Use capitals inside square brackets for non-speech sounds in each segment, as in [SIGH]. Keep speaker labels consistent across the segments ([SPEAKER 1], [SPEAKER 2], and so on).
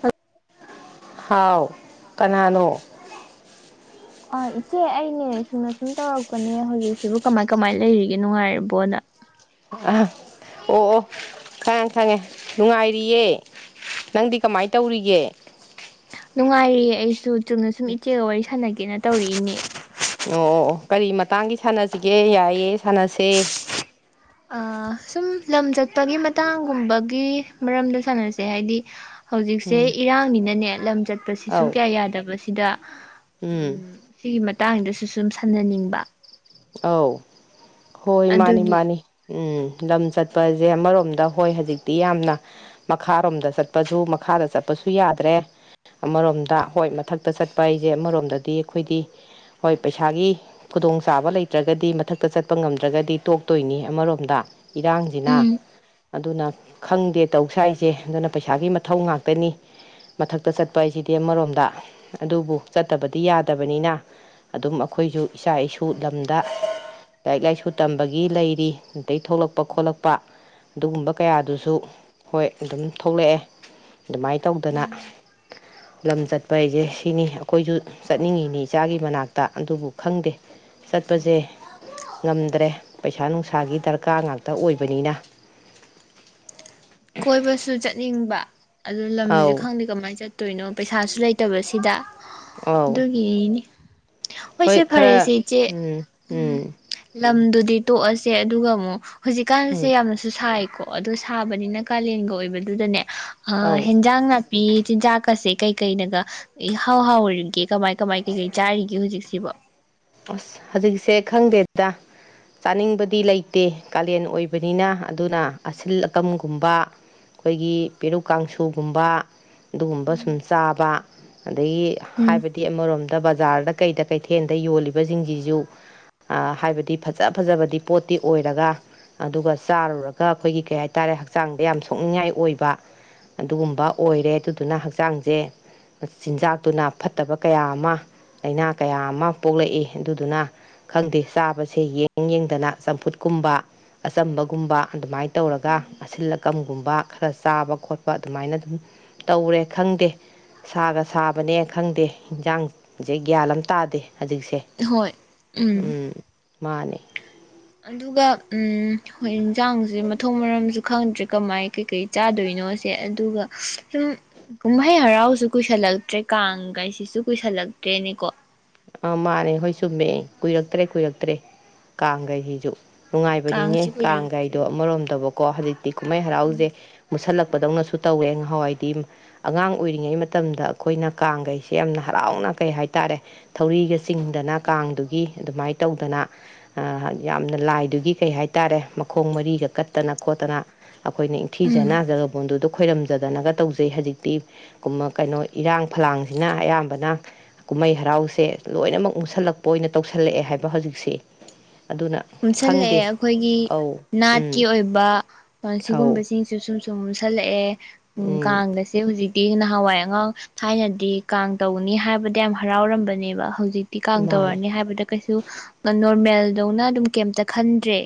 [SPEAKER 1] ꯍ
[SPEAKER 2] ꯍꯥꯎ ꯀꯅꯥꯅꯣ
[SPEAKER 1] ꯑꯥ ꯏꯆꯦ ꯑꯩꯅꯦ ꯁꯨꯝꯅ ꯁꯨꯝ ꯇꯧꯔꯛꯄꯅꯦ ꯍꯧꯖꯤꯛꯁꯤꯕꯨ ꯀꯃꯥꯏ ꯀꯃꯥꯏ ꯂꯩꯔꯤꯒꯦ ꯅꯨꯡꯉꯥꯏꯔꯕꯣꯅ
[SPEAKER 2] ꯑ ꯑꯣ ꯑꯣ ꯈꯪꯉꯦ ꯈꯪꯉꯦ ꯅꯨꯡꯉꯥꯏꯔꯤꯌꯦ ꯅꯪꯗꯤ ꯀꯃꯥꯏꯅ ꯇꯧꯔꯤꯒꯦ
[SPEAKER 1] ꯅꯨꯡꯉꯥꯏꯔꯤꯌꯦ ꯑꯩꯁꯨ ꯆꯨꯝꯅ ꯁꯨꯝ ꯏꯆꯦꯒ ꯋꯥꯔꯤ ꯁꯥꯟꯅ ꯀꯩꯅ ꯇꯧꯔꯛꯏꯅꯦ
[SPEAKER 2] ꯑꯣ ꯑꯣ ꯑꯣ ꯀꯔꯤ ꯃꯇꯥꯡꯒꯤ ꯁꯥꯟꯅꯁꯤꯒꯦ ꯌꯥꯏꯑꯦ ꯁꯥꯟꯅꯁꯦ
[SPEAKER 1] ꯁꯨꯝ ꯂꯝ ꯆꯠꯄꯒꯤ ꯃꯇꯥꯡꯒꯨꯝꯕꯒꯤ ꯃꯔꯝꯗ ꯁꯥꯟꯅꯁꯦ ꯍꯥꯏꯗꯤ ꯍꯧꯖꯤꯛꯁꯦ
[SPEAKER 2] ꯎꯝ
[SPEAKER 1] ꯏꯔꯥꯡꯅꯤꯅꯅꯦ ꯂꯝꯖ꯫ ꯇꯁ ꯁꯤꯁꯨꯨ
[SPEAKER 2] ꯑꯧ
[SPEAKER 1] ꯀꯌꯥ ꯌꯥꯗꯕꯁꯤ ꯗꯥ ꯍꯥ ꯑꯝ
[SPEAKER 2] ꯎꯝ
[SPEAKER 1] ꯁꯤꯒꯤ ꯃꯇꯥꯡꯖꯤꯗꯁꯨ ꯁꯨꯝ ꯈꯟꯅꯅꯤꯡꯕ
[SPEAKER 2] ꯑꯧ ꯍꯣꯏ ꯃꯥꯅꯤ
[SPEAKER 1] ꯑꯗꯨꯒꯤ
[SPEAKER 2] ꯃꯥꯅꯤ ꯎꯝ ꯂꯝ ꯆꯠꯄꯑꯖꯦ ꯑꯃꯔꯣꯝꯗ ꯍꯣꯏ ꯍꯧꯖꯤꯛꯇꯤ ꯌꯥꯝꯅ ꯃꯈꯥꯔꯣꯝꯗ ꯆꯠꯄꯖꯨ ꯃꯈꯥꯗ ꯆꯠꯄꯁꯨ ꯌꯥꯗ꯭ꯔꯦ ꯑꯃꯔꯣꯝꯗ ꯍꯣꯏ ꯃꯊꯛꯇ ꯆꯠꯄ ꯍꯥꯏꯁꯦ ꯑꯃꯔꯣꯝꯗꯗꯤ ꯑꯩꯈꯣꯏꯗꯤ ꯍꯣꯏ ꯄꯩꯁꯥꯒꯤ ꯈꯨꯗꯣꯡ ꯆꯥꯕ ꯂꯩꯇ꯭ꯔꯒꯗꯤ ꯃꯊꯛꯇ ꯆꯠꯄ ꯉꯝꯗ꯭ꯔꯒꯗꯤ ꯇꯣꯛꯇꯣꯏꯅꯤ ꯑꯃꯔꯣꯝꯗ ꯏꯔꯥꯡꯖꯤꯅ
[SPEAKER 1] ꯎꯝ
[SPEAKER 2] ꯑꯗꯨꯅ ꯈꯪꯗꯦ ꯇꯧ ꯁꯏꯁꯦ ꯑꯗꯨꯅ ꯄꯩꯁꯥꯒꯤ ꯃꯊꯧ ꯉꯥꯛꯇꯅꯤ ꯃꯊꯛꯇ ꯆꯠꯄ ꯍꯥꯏꯁꯤꯗꯤ ꯑꯃꯔꯣꯝꯗ ꯑꯗꯨꯕꯨ ꯆꯠꯇꯕꯗꯤ ꯌꯥꯗꯕꯅꯤꯅ ꯑꯗꯨꯝ ꯑꯩꯈꯣꯏꯁꯨ ꯏꯆꯥ ꯏꯁꯨ [UNINTELLIGIBLE] ꯂꯝꯗ ꯂꯥꯏꯔꯤꯛ ꯂꯥꯏꯁꯨ ꯇꯝꯕꯒꯤ ꯂꯩꯔꯤ ꯑꯗꯩ ꯊꯣꯛꯂꯛꯄ ꯈꯣꯠꯂꯛꯄ ꯑꯗꯨꯒꯝꯕ ꯀꯌꯥꯗꯨꯁꯨ ꯍꯣꯏ ꯑꯗꯨꯝ ꯊꯣꯛꯂꯛꯑꯦ ꯑꯗꯨꯃꯥꯏꯅ ꯇꯧꯗꯅ
[SPEAKER 1] ꯎꯝ
[SPEAKER 2] ꯂꯝ ꯆꯠꯄ ꯍꯥꯏꯁꯦ ꯁꯤꯅꯤ ꯑꯩꯈꯣꯏꯁꯨ ꯆꯠꯅꯤꯡꯉꯤꯅꯤ ꯏꯆꯥꯒꯤ ꯃꯅꯥꯛꯇ ꯑꯗꯨꯕꯨ ꯈꯪꯗꯦ ꯆꯠꯄꯖꯦ ꯉꯝꯗ꯭ꯔꯦ ꯄꯩꯁꯥ ꯅꯨꯡꯁꯥꯒꯤ ꯗꯔꯀꯥ ꯉꯥꯛꯇ ꯑꯣꯏꯕꯅꯤꯅ
[SPEAKER 1] ꯀꯣꯏꯕꯁꯨ ꯆꯠꯅꯤꯡꯕ ꯑꯗꯣ ꯂꯝꯖꯦ
[SPEAKER 2] ꯑꯧ
[SPEAKER 1] ꯈꯪꯗꯦ ꯀꯃꯥꯏ ꯆꯠ [UNINTELLIGIBLE] ꯄꯩꯁꯥꯁꯨ ꯂꯩꯇꯕꯁꯤꯗ
[SPEAKER 2] ꯑꯧ
[SPEAKER 1] ꯑꯗꯨꯒꯤꯅꯤꯅꯤ
[SPEAKER 2] ꯍꯣꯏ
[SPEAKER 1] ꯍꯣꯏꯁꯦ
[SPEAKER 2] ꯈꯔ
[SPEAKER 1] ꯐꯔꯦꯁꯦ ꯏꯆꯦ ꯎꯝ ꯂꯝꯗꯨ ꯇꯣꯛꯑꯁꯦ ꯑꯗꯨꯒ ꯑꯃꯨꯛ ꯍꯧꯖꯤꯛꯀꯥꯟꯁꯦ
[SPEAKER 2] ꯎꯝ
[SPEAKER 1] ꯌꯥꯝꯅꯁꯨ ꯁꯥꯏ ꯀꯣ ꯑꯗꯨ ꯁꯥꯕꯅꯤꯅ ꯀꯥꯂꯦꯟꯒ ꯑꯣꯏꯕꯗꯨꯗꯅꯦ ꯍꯥ ꯑ
[SPEAKER 2] ꯑꯧ
[SPEAKER 1] ꯍꯤꯟꯖꯥꯡ ꯅꯠ ꯄꯤꯌꯦ ꯆꯤꯟꯖꯥꯛꯀꯁꯦ ꯀꯩ ꯀꯩꯅꯒ ꯏꯍꯥꯎ ꯍꯥꯎꯔꯤꯒꯦ ꯀꯃꯥꯏ ꯀꯃꯥꯏ ꯀꯩꯀꯩ ꯆꯥꯔꯤꯒꯦ ꯍꯧꯖꯤꯛꯁꯤꯕꯣ
[SPEAKER 2] ꯑꯁ ꯍꯧꯖꯤꯛꯁꯦ ꯈꯪꯗꯦ ꯗꯥ ꯆꯥꯅꯤꯡꯕꯗꯤ ꯂꯩꯇꯦ ꯀꯥꯂꯦꯟ ꯑꯣꯏꯕꯅꯤꯅ ꯑꯗꯨꯅ ꯑꯁꯤꯜ ꯑꯀꯝꯒꯨꯝꯕ ꯑꯩꯈꯣꯏꯒꯤ ꯄꯦꯔꯨꯛ ꯀꯥꯡꯁꯨꯒꯨꯝꯕ ꯑꯗꯨꯒꯨꯝꯕ ꯁꯨꯝ ꯆꯥꯕ ꯑꯗꯒꯤ
[SPEAKER 1] ꯎꯝ
[SPEAKER 2] ꯍꯥꯏꯕꯗꯤ ꯑꯃꯔꯣꯝꯗ ꯕꯖꯥꯔꯗ ꯀꯩꯗ ꯀꯩꯊꯦꯟꯗ ꯌꯣꯜꯂꯤꯕ ꯕ ꯁꯤꯡꯁꯤꯁꯨ ꯍꯥꯏꯕꯗꯤ ꯐꯖ ꯐꯖꯕꯗꯤ ꯄꯣꯠꯇꯤ ꯑꯣꯏꯔꯒ ꯑꯗꯨꯒ ꯆꯥꯔꯨꯔꯒ ꯑꯩꯈꯣꯏꯒꯤ ꯀꯩ ꯍꯥꯏꯇꯥꯔꯦ ꯍꯛꯆꯥꯡꯗ ꯌꯥꯝ ꯁꯣꯛꯅꯤꯡꯉꯥꯏ ꯑꯣꯏꯕ ꯑꯗꯨꯒꯨꯝꯕ ꯑꯣꯏꯔꯦ ꯑꯗꯨꯗꯨꯅ ꯍꯛꯆꯥꯡꯁꯦ ꯆꯤꯟꯖꯥꯛꯇꯨꯅ ꯐꯠꯇꯕ ꯀꯌꯥ ꯑꯃ ꯂꯩꯅꯥ ꯀꯌꯥ ꯑꯃ ꯄꯣꯛꯂꯛꯏ ꯑꯗꯨꯗꯨꯅ ꯈꯪꯗꯦ ꯆꯥꯕꯁꯦ ꯌꯦꯡ ꯌꯦꯡꯗꯅ ꯆꯝꯐꯨꯠꯀꯨꯝꯕ ꯑꯆꯝꯕꯒꯨꯝꯕ ꯑꯗꯨꯃꯥꯏꯅ ꯇꯧꯔꯒ ꯑꯁꯤꯜ ꯑꯀꯝꯒꯨꯝꯕ ꯈꯔ ꯆꯥꯕ ꯈꯣꯠꯄ ꯑꯗꯨꯃꯥꯏꯅ ꯑꯗꯨꯝ ꯇꯧꯔꯦ ꯈꯪꯗꯦ ꯁꯥꯒ ꯁꯥꯕꯅꯦ ꯈꯪꯗꯦ ꯏꯟꯖꯥꯡꯁꯦ ꯒ꯭ꯌꯥꯟ ꯑꯃ ꯇꯥꯗꯦ ꯍꯧꯖꯤꯛꯁꯦ
[SPEAKER 1] ꯍꯣꯏ
[SPEAKER 2] ꯎꯝ ꯃꯥꯅꯦ
[SPEAKER 1] ꯑꯗꯨꯒ ꯎꯝ ꯍꯣꯏ ꯏꯟꯖꯥꯡꯖꯦ ꯃꯊꯣꯡ ꯃꯔꯝꯖꯨ ꯈꯪꯗ꯭ꯔꯦ ꯀꯃꯥꯏ ꯀꯩꯀꯩ ꯆꯥꯗꯣꯏꯅꯣꯁꯦ ꯑꯗꯨꯒ ꯁꯨꯝ ꯀꯨꯝꯍꯩ ꯍꯔꯥꯎꯁꯨ ꯀꯨꯏꯁꯜꯂꯛꯇ꯭ꯔꯦ ꯀꯥꯡ ꯀꯥꯏꯁꯤꯁꯨ ꯀꯨꯏꯁꯜꯂꯛꯇ꯭ꯔꯦꯅꯦꯀꯣ
[SPEAKER 2] ꯑ ꯃꯥꯅꯦ ꯍꯣꯏ ꯆꯨꯝꯃꯦ ꯀꯨꯏꯔꯛꯇ꯭ꯔꯦ ꯀꯨꯏꯔꯛꯇ꯭ꯔꯦ ꯀꯥꯡꯈꯥꯏꯖꯤꯖꯨ ꯅꯨꯡꯉꯥꯏꯕꯅꯤꯅꯦ
[SPEAKER 1] ꯀꯥꯡꯁꯨ
[SPEAKER 2] ꯀꯥꯡꯒꯥꯏꯗꯣ
[SPEAKER 1] ꯀꯨꯏꯔꯛꯇ꯭ꯔꯦ
[SPEAKER 2] ꯑꯃꯔꯣꯝꯗꯕꯣ ꯀꯣ ꯍꯥꯔꯤ ꯀꯨꯝꯍꯩ ꯍꯔꯥꯎꯖꯦ ꯃꯨꯁꯜꯂꯛ ꯄꯗꯧꯅꯁꯨ ꯇꯧꯋꯦ ꯉꯍꯥꯟꯋꯥꯏꯗꯤ ꯑꯉꯥꯡ ꯑꯣꯏꯔꯤꯉꯩ ꯃꯇꯝꯗ ꯑꯩꯈꯣꯏꯅ ꯀꯥꯡꯈꯩꯁꯦ ꯌꯥꯝꯅ ꯍꯔꯥꯎꯅ ꯀꯩ ꯍꯥꯏꯇꯥꯔꯦ ꯊꯧꯔꯤꯒ ꯆꯤꯡꯗꯅ ꯀꯥꯡꯗꯨꯒꯤ ꯑꯗꯨꯃꯥꯏꯅ ꯇꯧꯗꯅ ꯌꯥꯝꯅ ꯂꯥꯏꯗꯨꯒꯤ ꯀꯩ ꯍꯥꯏꯇꯥꯔꯦ ꯃꯈꯣꯡ ꯃꯔꯤꯒ ꯀꯠꯇꯅ ꯈꯣꯠꯇꯅ ꯑꯩꯈꯣꯏꯅ
[SPEAKER 1] ꯎꯝ
[SPEAKER 2] ꯏꯪꯊꯤꯖꯅ ꯖꯒꯕꯣꯟꯗꯨꯗ ꯈꯣꯏꯔꯝ ꯐꯖꯗꯅꯒ ꯇꯧꯖꯩ ꯍꯧꯖꯤꯛꯇꯤ ꯀꯩꯅꯣ ꯏꯔꯥꯡ ꯐꯂꯥꯡꯁꯤꯅ ꯑꯌꯥꯝꯕꯅ ꯀꯨꯝꯍꯩ ꯍꯔꯥꯎꯁꯦ ꯁꯦ ꯂꯣꯏꯅꯃꯛ ꯃꯨꯁꯜꯂꯛꯄ ꯑꯣꯏꯅ ꯇꯧꯁꯜꯂꯛꯑꯦ ꯍꯥꯏꯕ ꯍꯧꯖꯤꯛꯁꯦ ꯑꯗꯨꯅ
[SPEAKER 1] ꯄꯨꯟꯁꯜꯂꯛꯑꯦ
[SPEAKER 2] ꯈꯪꯗꯦ
[SPEAKER 1] ꯑꯩꯈꯣꯏꯒꯤ
[SPEAKER 2] ꯑꯧ ꯎꯝ
[SPEAKER 1] ꯅꯥꯠꯀꯤ ꯑꯣꯏꯕ
[SPEAKER 2] ꯑꯧ
[SPEAKER 1] ꯁꯤꯒꯨꯝꯕꯁꯤꯡꯁ ꯁꯨꯝ ꯇꯨꯝꯁꯜꯂꯛꯑꯦ ꯎꯝ ꯀꯥꯡꯒꯁꯦ ꯍꯧꯖꯤꯛꯇꯤ ꯅꯍꯥꯟ ꯍꯋꯥꯏ ꯑꯉꯥꯡ ꯊꯥꯏꯅꯗꯤ ꯀꯥꯡ ꯇꯧꯅꯤ ꯍꯥꯏꯕꯗ ꯌꯥꯝ ꯍꯔꯥꯎꯔꯝꯕꯅꯦꯕ ꯍꯧꯖꯤꯛꯇꯤ ꯀꯥꯡ
[SPEAKER 2] ꯃꯥꯅꯦ
[SPEAKER 1] ꯇꯧꯔꯅꯤ ꯍꯥꯏꯕꯗ ꯀꯩꯁꯨ ꯉ ꯃꯦꯜꯗꯧꯅ ꯑꯗꯨꯝ ꯀꯩꯝꯇ ꯈꯟꯗ꯭ꯔꯦ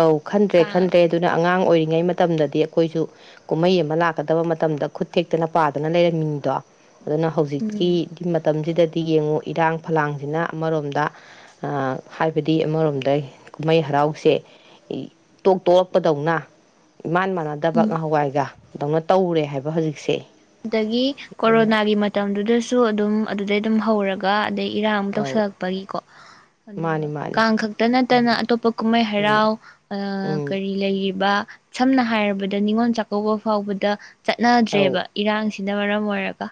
[SPEAKER 2] ꯑꯧ ꯈꯟꯗ꯭ꯔꯦ
[SPEAKER 1] ꯀꯥꯡ
[SPEAKER 2] ꯈꯟꯗ꯭ꯔꯦ
[SPEAKER 1] ꯑꯗꯨꯝ
[SPEAKER 2] ꯑꯗꯨꯅ ꯑꯉꯥꯡ ꯑꯣꯏꯔꯤꯉꯩ ꯉꯩ ꯃꯇꯝꯗꯗꯤ ꯑꯩꯈꯣꯏꯁꯨ ꯀꯨꯝꯍꯩ ꯑꯃ ꯂꯥꯛꯀꯗꯕ ꯃꯇꯝꯗ ꯈꯨꯠ ꯊꯦꯛꯇꯅ ꯄꯥꯗꯅ ꯂꯩꯔꯝꯃꯤꯗꯣ ꯑꯗꯨꯅ
[SPEAKER 1] ꯎꯝ
[SPEAKER 2] ꯍꯧꯖꯤꯛꯀꯤ ꯃꯇꯝꯁꯤꯗꯗꯤ ꯁꯤ ꯌꯦꯡꯉꯨ ꯏꯔꯥꯡ ꯐꯂꯥꯡꯁꯤꯅ ꯑꯃꯔꯣꯝꯗ ꯍꯥꯏꯕꯗꯤ ꯑꯃꯔꯣꯝꯗ ꯀꯨꯝꯍꯩ ꯍꯔꯥꯎꯁꯦ ꯇꯣꯛ ꯇꯣꯛꯂꯛꯄꯗꯧꯅ ꯏꯃꯥꯟ ꯃꯥꯟꯅꯗꯕ
[SPEAKER 1] ꯎꯝ
[SPEAKER 2] ꯉꯥꯍꯧꯋꯥꯏꯒ ꯗꯧꯅ ꯇꯧꯔꯦ ꯍꯥꯏꯕ ꯍꯧꯖꯤꯛꯁꯦ
[SPEAKER 1] ꯑꯗꯒꯤ
[SPEAKER 2] ꯑꯗꯨꯅ
[SPEAKER 1] ꯀꯣꯔꯣꯅꯥꯒꯤ ꯃꯇꯝꯗꯨꯗꯁꯨ ꯑꯗꯨꯝ ꯑꯗꯨꯗꯩ ꯑꯗꯨꯝ ꯍꯧꯔꯒ [UNINTELLIGIBLE] ꯗꯩ ꯏꯔꯥꯡ ꯑꯝ
[SPEAKER 2] ꯑꯧ
[SPEAKER 1] ꯇꯧꯁꯜꯂꯛꯄꯒꯤꯀꯣ
[SPEAKER 2] ꯃꯥꯅꯤ
[SPEAKER 1] ꯑꯗꯨꯒ
[SPEAKER 2] ꯃꯥꯅꯤ
[SPEAKER 1] ꯀꯥꯡ ꯈꯛꯇ ꯅꯠꯇꯅ
[SPEAKER 2] ꯎꯝ
[SPEAKER 1] ꯑꯇꯣꯞꯄ ꯀꯨꯝꯍꯩ
[SPEAKER 2] ꯎꯝ
[SPEAKER 1] ꯍꯔꯥꯎ
[SPEAKER 2] ꯎꯝ
[SPEAKER 1] ꯀꯔꯤ ꯂꯩꯔꯤꯕ ꯁꯝꯅ ꯍꯥꯏꯔꯕꯗ ꯅꯤꯉꯣꯜ ꯆꯥꯛꯀꯧꯕ ꯐꯥꯎꯕꯗ
[SPEAKER 2] ꯑꯧ
[SPEAKER 1] ꯆꯠꯅꯗ꯭ꯔꯦꯕ ꯍꯛꯆꯥꯡꯁꯤꯅ ꯃꯔꯝ ꯑꯣꯏꯔꯒ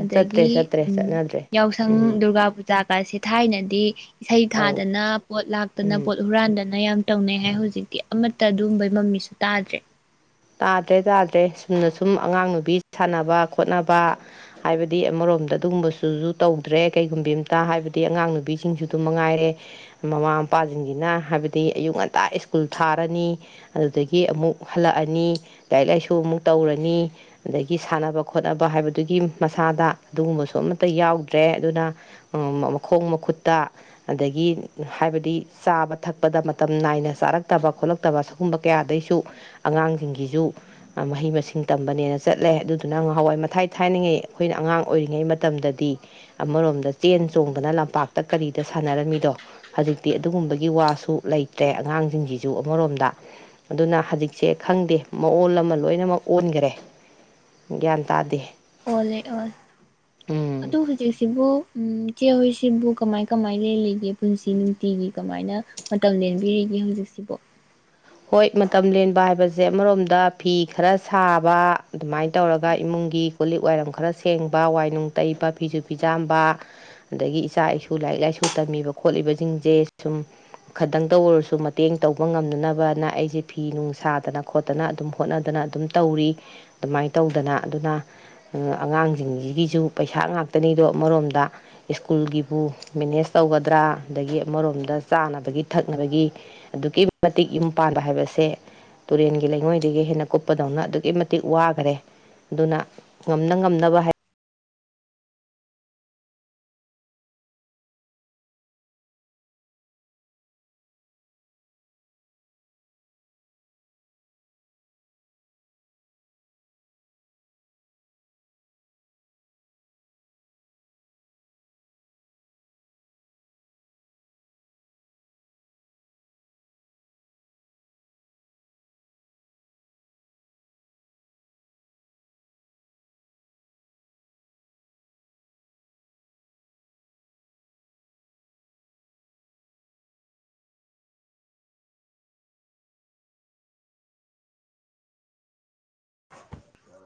[SPEAKER 1] ꯑꯗꯒꯤ
[SPEAKER 2] ꯆꯠꯇ꯭ꯔꯦ ꯆꯠꯇ꯭ꯔꯦ
[SPEAKER 1] ꯎꯝ
[SPEAKER 2] ꯆꯠꯅꯗ꯭ꯔꯦ
[SPEAKER 1] ꯌꯥꯎꯁꯪ
[SPEAKER 2] ꯎꯝ
[SPEAKER 1] ꯗꯨꯔꯒꯥ ꯄꯨꯖꯥꯒꯁꯤ ꯊꯥꯏꯅꯗꯤ ꯏꯁꯩ
[SPEAKER 2] ꯑꯧ
[SPEAKER 1] ꯊꯥꯗꯅ ꯄꯣꯠ ꯂꯥꯛꯇꯅ
[SPEAKER 2] ꯎꯝ
[SPEAKER 1] ꯄꯣꯠ ꯍꯨꯔꯥꯟꯗꯅ ꯌꯥꯝ ꯇꯧꯅꯩ ꯍꯥꯏ ꯍꯧꯖꯤꯛꯇꯤ ꯑꯃꯠꯇ ꯑꯗꯨꯕꯩ ꯃꯃꯤꯁꯨ ꯇꯥꯗ꯭ꯔꯦ
[SPEAKER 2] ꯇꯥꯗ꯭ꯔꯦ ꯇꯥꯗ꯭ꯔꯦ ꯁꯨꯝꯅ ꯁꯨꯝ ꯑꯉꯥꯡ ꯅꯨꯕꯤ ꯁꯥꯟꯅꯕ ꯈꯣꯠꯅꯕ ꯍꯥꯏꯕꯗꯤ ꯑꯃꯔꯣꯝꯗ ꯑꯗꯨꯒꯨꯝꯕꯁꯨꯁꯨ ꯇꯧꯗ꯭ꯔꯦ ꯀꯩꯒꯨꯝꯕꯤ ꯑ ꯑꯃꯇ ꯍꯥꯏꯕꯗꯤ ꯑꯉꯥꯡ ꯅꯨꯕꯤꯁꯤꯡꯁꯨ ꯑꯗꯨꯝ ꯃꯉꯥꯏꯔꯦ ꯃꯃꯥ ꯃꯄꯥꯁꯤꯡꯁꯤꯅ ꯍꯥꯏꯕꯗꯤ ꯑꯌꯨꯛ ꯉꯟꯇꯥ ꯁ꯭ꯀꯨꯜ ꯊꯥꯔꯅꯤ ꯑꯗꯨꯗꯒꯤ ꯑꯃꯨꯛ ꯍꯜꯂꯛꯑꯅꯤ ꯅꯤ ꯂꯥꯏꯔꯤꯛ ꯂꯥꯏꯁꯨ ꯑꯃꯨꯛ ꯇꯧꯔꯅꯤ ꯑꯗꯒꯤ ꯁꯥꯟꯅꯕ ꯈꯣꯠꯅꯕ ꯍꯥꯏꯕꯗꯨꯒꯤ ꯃꯁꯥꯗ ꯑꯗꯨꯒꯨꯝꯕꯁꯨ ꯑꯃꯠꯇ ꯌꯥꯎꯗ꯭ꯔꯦ ꯑꯗꯨꯅ ꯃꯈꯣꯡ ꯃꯈꯨꯠꯇ ꯑꯗꯒꯤ ꯍꯥꯏꯕꯗꯤ ꯆꯥꯕ ꯊꯛꯄꯗ ꯃꯇꯝ ꯅꯥꯏꯅ ꯆꯥꯔꯛꯇꯕ ꯈꯣꯠꯂꯛꯇꯕ ꯁꯤꯒꯨꯝꯕ ꯀꯌꯥꯗꯩꯁꯨ ꯑꯉꯥꯡꯁꯤꯡꯒꯤꯁꯤꯁꯨ ꯃꯍꯩ ꯃꯁꯤꯡ ꯇꯝꯕꯅꯦꯅ ꯆꯠꯂꯦ ꯑꯗꯨꯗꯨꯅ ꯉ ꯃꯍꯍꯥꯟꯋꯥꯏ ꯃꯊꯥꯏ ꯊꯥꯏꯅꯉꯩ ꯑꯩꯈꯣꯏꯅ ꯑꯉꯥꯡ ꯑꯣꯏꯔꯤꯉꯩ ꯃꯇꯝꯗꯗꯤ ꯑꯃꯔꯣꯝꯗ ꯆꯦꯟ ꯆꯣꯡꯗꯅ ꯂꯝꯄꯥꯛꯇ ꯀꯔꯤꯗ ꯁꯥꯟꯅꯔꯝꯃꯤꯗꯣ ꯍꯧꯖꯤꯛꯇꯤ ꯑꯗꯨꯒꯨꯝꯕꯒꯤ ꯋꯥꯁꯨ ꯂꯩꯇ꯭ꯔꯦ ꯑꯉꯥꯡꯁꯤꯡꯁꯤꯁꯨ ꯑꯃꯔꯣꯝꯗ ꯑꯗꯨꯅ ꯍꯧꯖꯤꯛꯁꯦ ꯈꯪꯗꯦ ꯃꯑꯣꯜ ꯑꯃ ꯂꯣꯏꯅꯃꯛ ꯑꯣꯟꯈꯔꯦ ꯒ꯭ꯌꯥꯟ ꯇꯥꯗꯦ
[SPEAKER 1] ꯑꯣꯂꯦ ꯑꯣ
[SPEAKER 2] ꯎꯝ
[SPEAKER 1] ꯑꯗꯨ ꯍꯧꯖꯤꯛꯁꯤꯕꯨ ꯎꯝ ꯆꯦꯍꯣꯏꯁꯤꯕꯨ ꯀꯃꯥꯏ ꯀꯃꯥꯏ ꯂꯜꯂꯤꯒꯦ ꯄꯨꯟꯁꯤ ꯅꯨꯡꯇꯤꯒꯤ ꯀꯃꯥꯏꯅ ꯃꯇꯝ ꯂꯦꯟꯕꯤꯔꯤꯒꯦ ꯍꯧꯖꯤꯛꯁꯤꯕꯨ
[SPEAKER 2] ꯍꯣꯏ ꯃꯇꯝ ꯂꯦꯟꯕ ꯍꯥꯏꯕꯁꯦ ꯑꯃꯔꯣꯝꯗ ꯐꯤ ꯈꯔ ꯁꯥꯕ ꯑꯗꯨꯃꯥꯏꯅ ꯇꯧꯔꯒ ꯏꯃꯨꯡꯒꯤ ꯀꯣ ꯂꯤꯛ ꯋꯥꯏꯔꯝ ꯈꯔ ꯁꯦꯡꯕ ꯋꯥꯏ ꯅꯨꯡ ꯇꯩꯕ ꯐꯤꯁꯨ ꯐꯤꯖꯥꯝꯕ ꯑꯗꯒꯤ ꯏꯆꯥ ꯏꯁꯨ ꯂꯥꯏꯔꯤꯛ ꯂꯥꯏꯁꯨ ꯇꯝꯃꯤꯕ ꯈꯣꯠꯂꯤꯕꯁꯤꯡꯁꯦ ꯁꯨꯝ ꯈꯇꯪꯇ ꯑꯣꯏꯔꯁꯨ ꯃꯇꯦꯡ ꯇꯧꯕ ꯉꯝꯅꯅꯕ ꯑꯗꯨꯅ ꯑꯩꯁꯦ ꯐꯤ ꯅꯨꯡ ꯁꯥꯗꯅ ꯈꯣꯠꯇꯅ ꯑꯗꯨꯝ ꯍꯣꯠꯅꯗꯅ ꯑꯗꯨꯝ ꯇꯧꯔꯤ ꯑꯗꯨꯃꯥꯏꯅ ꯇꯧꯗꯅ ꯑꯗꯨꯅ ꯑꯉꯥꯡꯁꯤꯡꯁꯤꯒꯤꯁꯨ ꯄꯩꯁꯥ ꯉꯥꯛꯇꯅꯤꯗꯣ ꯑꯃꯔꯣꯝꯗ ꯁ꯭ꯀꯨꯜꯒꯤꯕꯨ ꯃꯦꯅꯦꯖ ꯇꯧꯒꯗ꯭ꯔꯥ ꯑꯗꯒꯤ ꯑꯃꯔꯣꯝꯗ ꯆꯥꯅꯕꯒꯤ ꯊꯛꯅꯕꯒꯤ ꯑꯗꯨꯛꯀꯤ ꯃꯇꯤꯛ ꯄꯥꯟꯕ ꯍꯥꯏꯕꯁꯦ ꯇꯨꯔꯦꯟꯒꯤ ꯂꯩꯉꯣꯏꯗꯒꯤ ꯍꯦꯟꯅ ꯀꯨꯞꯄꯗꯧꯅ ꯑꯗꯨꯛꯀꯤ ꯃꯇꯤꯛ ꯋꯥꯈꯔꯦ ꯑꯗꯨꯅ ꯉꯝꯅ ꯉꯝꯅꯕ ꯍꯥꯏ
[SPEAKER 1] [INAUDIBLE]